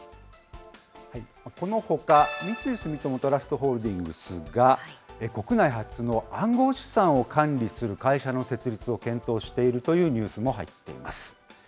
このほか、三井住友トラスト・ホールディングスが国内初の暗号資産を管理する会社の設立を検討しているというニュースも入っています。